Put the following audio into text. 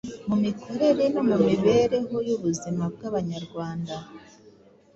mu mikorere no mu mibereho y’ubuzima bw’Abanyarwanda